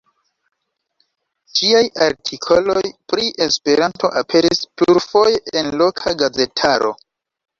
Ŝiaj artikoloj pri Esperanto aperis plurfoje en loka gazetaro.